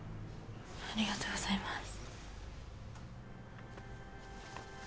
ありがとうございます。